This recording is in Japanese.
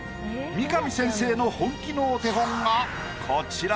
三上先生の本気のお手本がこちら。